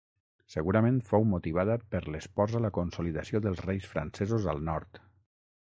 Segurament fou motivada per les pors a la consolidació dels reis francesos al nord.